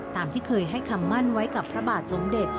ตามที่เคยให้คำมั่นไว้กับพระบาทสมเด็จ